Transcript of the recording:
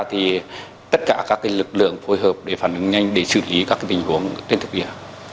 thì tất cả các lực lượng phối hợp để phản ứng nhanh để xử lý các tình huống trên thực địa